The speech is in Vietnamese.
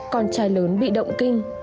con trai lớn bị động kinh